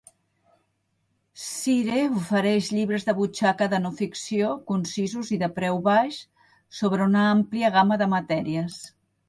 Shire ofereix llibres de butxaca de no ficció, concisos i de preu baix, sobre una àmplia gama de matèries.